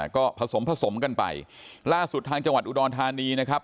ก็ผสมผสมกันไปล่าสุดทางจังหวัดอุดรธานีนะครับ